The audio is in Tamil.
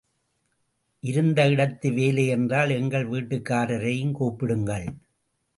இருந்த இடத்து வேலை என்றால் எங்கள் வீட்டுக்காரரையும் கூப்பிடுங்கள்.